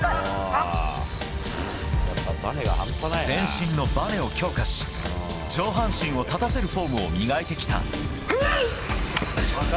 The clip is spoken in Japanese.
全身のバネを強化し上半身を立たせるフォームを磨いてきた。